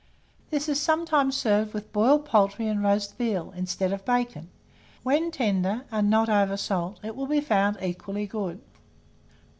This is sometimes served with boiled poultry and roast veal, instead of bacon: when tender, and not over salt, it will be found equally good.